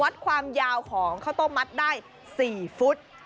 วัดความยาวของข้าวต้มมัดได้๔ฟุต